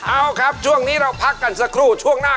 เอาครับช่วงนี้เราพักกันสักครู่